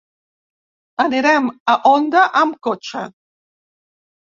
Anirem a Onda amb cotxe.